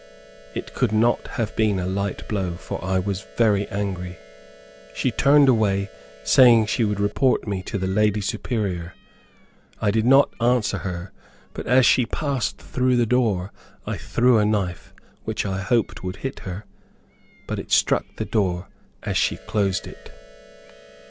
It could not have been a light blow, for I was very angry. She turned away, saying she should report me to the Lady Superior. I did not answer her, but as she passed through the door I threw a knife which I hoped would hit her, but it struck the door as she closed it.